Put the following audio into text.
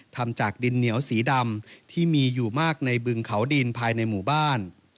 ทำจากดินเหนียวสีดำที่มีอยู่มากในบึงเขาดินภายในหมู่บ้าน